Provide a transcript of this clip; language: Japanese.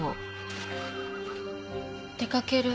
出かける。